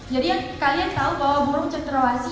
jadi kalian tahu bahwa burung cenderawasi